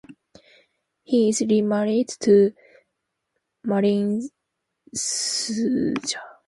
He is remarried to Maureen Schulze.